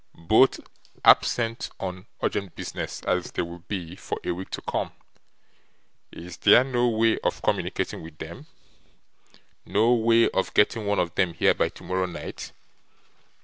'Both absent on urgent business, as they will be for a week to come.' 'Is there no way of communicating with them? No way of getting one of them here by tomorrow night?